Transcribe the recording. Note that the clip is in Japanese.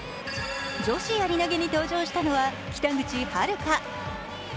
女子やり投に登場したのは北口榛花。